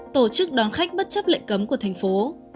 tổ chức đón khách bất chấp lệnh cấm của thành phố